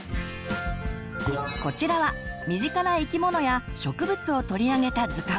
こちらは身近な生き物や植物を取り上げた図鑑。